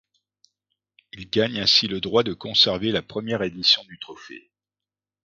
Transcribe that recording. Il gagne ainsi le droit de conserver la première édition du trophée.